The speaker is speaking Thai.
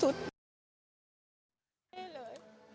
ส่วนบรรยากาศในงานศพของน้องหยอดครับ